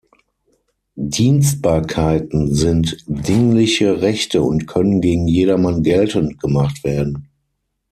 Dienstbarkeiten sind dingliche Rechte und können gegen jedermann geltend gemacht werden.